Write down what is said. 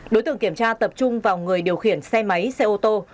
đối tượng kiểm tra tập trung vào người điều khiển xe máy xe ô tô